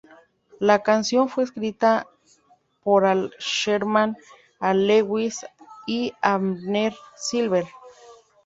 La canción fue escrita por Al Sherman, Al Lewis y Abner Silver.